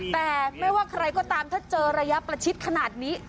แต่ไม่ว่าใครก็ตามถ้าเจอระยะประชิดขนาดนี้